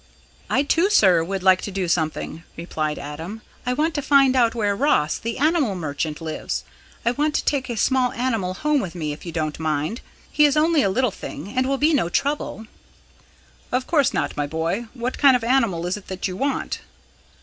"I too, sir, would like to do something," replied Adam. "I want to find out where Ross, the animal merchant, lives I want to take a small animal home with me, if you don't mind. He is only a little thing, and will be no trouble." "Of course not, my boy. What kind of animal is it that you want?"